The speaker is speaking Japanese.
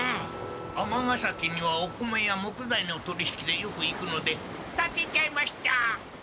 尼崎にはお米や木材の取り引きでよく行くのでたてちゃいました！